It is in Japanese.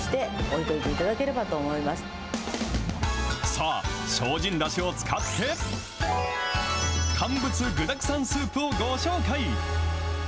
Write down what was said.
さあ、精進だしを使って、乾物具だくさんスープをご紹介。